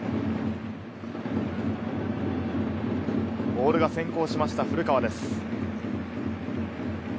ボールが先行しました、古川です。